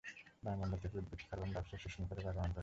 বায়ুমণ্ডল থেকে উদ্ভিদ কার্বন ডাই অক্সাইড শোষণ কর বা গ্রহণ করে।